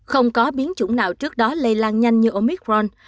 không có biến chủng nào trước đó lây lan nhanh như omicron